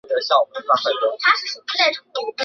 舅甥二人在淮南地区都取得了显着的威望。